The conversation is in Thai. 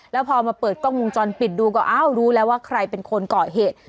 แล้วพอมาเปิดกล้องวงจรปิดดูก็อ้าวรู้แล้วว่าใครเป็นคนก่อเหตุ